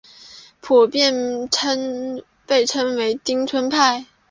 普遍被称为町村派。